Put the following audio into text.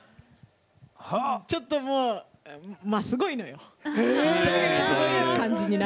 ちょっと、もうまあ、すごいのよ！